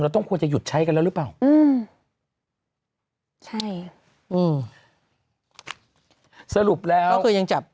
ต้องควรจะหยุดใช้กันแล้วหรือเปล่าอืมใช่อืมสรุปแล้วก็คือยังจับ